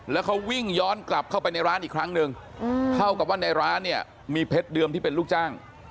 แล้วเขาวิ่งย้อนกลับเข้าไปในร้านอีกครั้งหนึ่งเท่ากับว่าในร้านเนี่ยมีเพชรเดิมที่เป็นลูกจ้าง